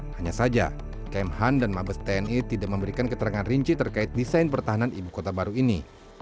hanya saja kemhan dan mabes tni tidak memberikan keterangan rinci terkait desain pertahanan ibu kota baru ini